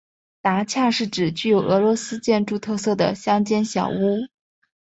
达恰是指具有俄罗斯建筑特色的乡间小屋。